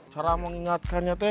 cara mengingatkannya pak pakai